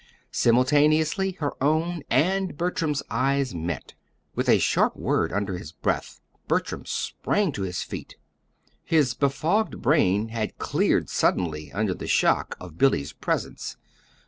Simultaneously her own and Bertram's eyes met. With a sharp word under his breath Bertram sprang to his feet. His befogged brain had cleared suddenly under the shock of Billy's presence.